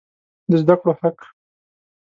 د زده کړو حق